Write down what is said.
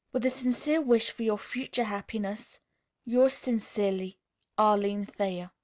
"With a sincere wish for your future happiness, "Yours sincerely, "ARLINE THAYER."